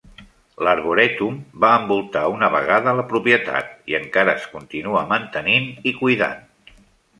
L'arborètum va envoltar una vegada la propietat, i encara es continua mantenint i cuidant.